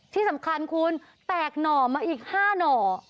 ที่สำคัญคุณแตกหน่อมาอีก๕หน่อ